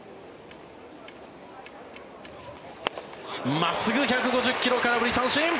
真っすぐ、１５０ｋｍ空振り三振。